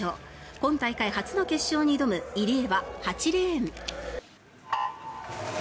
今大会初の決勝に挑む入江は８レーン。